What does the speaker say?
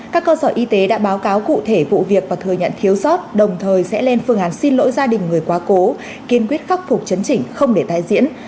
các cơ sở y tế đã báo cáo cụ thể vụ việc và thừa nhận thiếu sót đồng thời sẽ lên phương án xin lỗi gia đình người quá cố kiên quyết khắc phục chấn chỉnh không để tái diễn